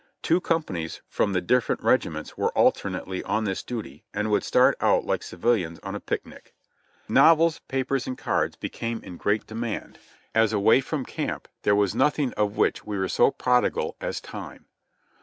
Two companies from the different regiments were alternately on this duty, and would start out like civilians on a picnic. Novels, papers and cards became in great demand, as 72 JOHNNY REB AND BILLY YANK away from camp there was nothing of which we were so prodigal as time.